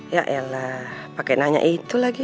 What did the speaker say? ya ella pakai nanya itu lagi